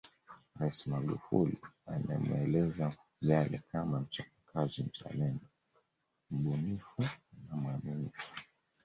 Rais Magufuli amemweleza Mfugale kama mchapakazi mzalendo mbunifu na mwaminifu